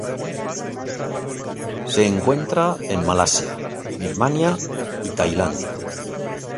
Se encuentra en Malasia, Birmania y Tailandia.